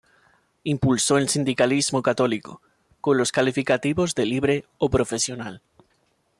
Impulsó el sindicalismo católico, con los calificativos de Libre o Profesional.